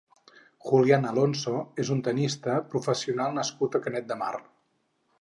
Julián Alonso és un tennista professional nascut a Canet de Mar.